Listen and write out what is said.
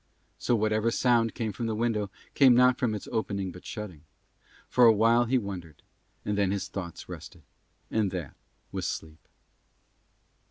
So whatever sound came from the window came not from its opening but shutting: for a while he wondered; and then his tired thoughts rested, and that was sleep.